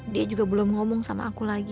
dia juga belum ngomong sama aku lagi